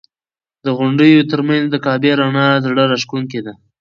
د غونډیو تر منځ د کعبې رڼا زړه راښکونکې ده.